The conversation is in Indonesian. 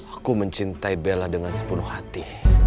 aku mencintai bella dengan sepenuh hati